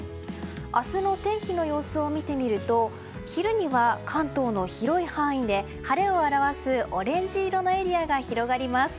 明日の天気の様子を見てみると昼には関東の広い範囲で晴れを表すオレンジ色のエリアが広がります。